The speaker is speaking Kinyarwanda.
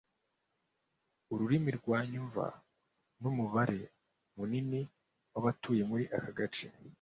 ururimi rwumvwa n’umubare munini w’abatuye muri aka gace